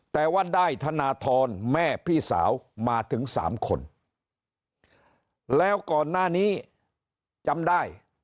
แต่ว่าได้ธนทรแม่พี่สาวมาถึงสามคนแล้วก่อนหน้านี้จำได้